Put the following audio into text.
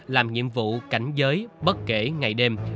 làm nhiệm vụ cảnh giới bất kể ngày đêm